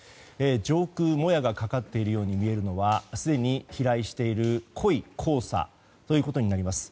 上空、もやがかかっているように見えるのはすでに飛来している濃い黄砂ということになります。